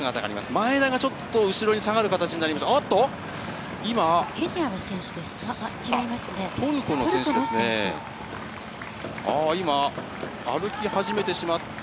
前田がちょっと後ろに下がる形になりました。